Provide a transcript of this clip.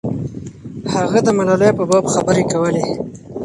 هغه د ملالۍ په باب خبرې کولې.